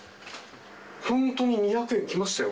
本当に２００円きましたよ。